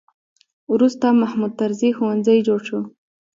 وروسته محمود طرزي ښوونځی جوړ شو.